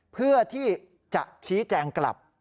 เพื่อที่จะชี้แจงกลับ